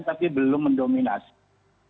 tapi belum mendominasi